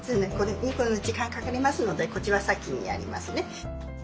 時間かかりますのでこちら先にやりますね。